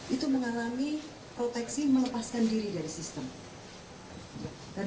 itu mengalami proteksi melepaskan diri dari sistem